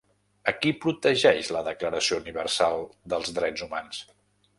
A qui protegeix la Declaració Universal dels Drets Humans?